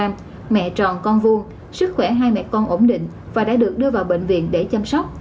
mẹ tròn con vuông sức khỏe hai mẹ con ổn định và đã được đưa vào bệnh viện để chăm sóc